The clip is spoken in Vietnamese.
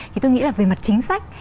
thì tôi nghĩ là về mặt chính sách